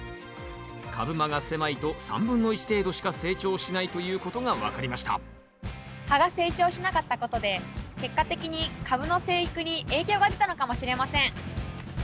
株間が狭いと３分の１程度しか成長しないということが分かりました葉が成長しなかったことで結果的にカブの生育に影響が出たのかもしれません。